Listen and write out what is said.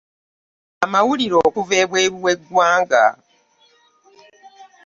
Amawulire okuva ebweru we ggwanga .